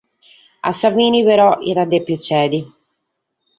A sa fine però aiat dèpidu tzèdere.